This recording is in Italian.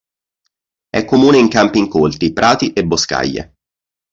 È comune in campi incolti, prati e boscaglie.